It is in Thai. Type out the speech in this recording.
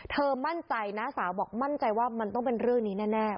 มั่นใจน้าสาวบอกมั่นใจว่ามันต้องเป็นเรื่องนี้แน่